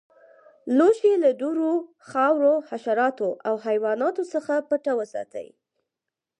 لوښي له دوړو، خاورو، حشراتو او حیواناتو څخه پټ وساتئ.